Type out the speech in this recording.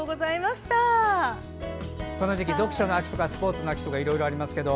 この時期、読書の秋とかスポーツの秋とかいろいろありますけど。